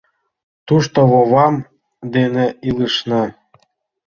Тушто вовам дене илышна.